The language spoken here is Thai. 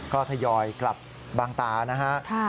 ก็ทยอยกลับบางตานะฮะ